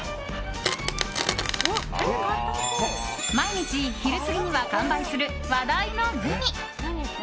毎日、昼過ぎには完売する話題のグミ。